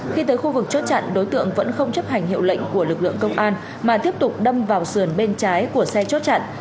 khi tới khu vực chốt chặn đối tượng vẫn không chấp hành hiệu lệnh của lực lượng công an mà tiếp tục đâm vào sườn bên trái của xe chốt chặn